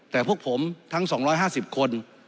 แต่พวกผมทั้ง๒๕๐คน